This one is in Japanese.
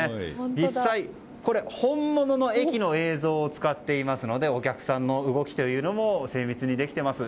実際、本物の駅の映像を使っていますのでお客さんの動きというのも精密にできています。